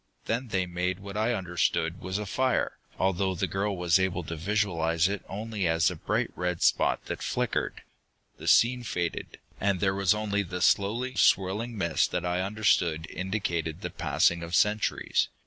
Then they made what I understood was a fire, although the girl was able to visualize it only as a bright red spot that flickered. The scene faded, and there was only the slowly swirling mist that I understood indicated the passing of centuries.